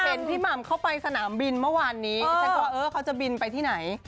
เห็นพี่หม่ำเข้าไปสนามบินเมื่อวานนี้ฉันก็เออเขาจะบินไปที่ไหน